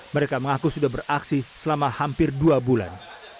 mereka mengaku sudah beraksi selama hampir dua bulan